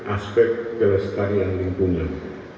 aspek perestarian lingkungan